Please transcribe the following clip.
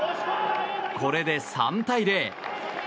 これで３対０。